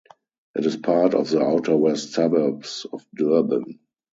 It is part of the outer West suburbs of Durban.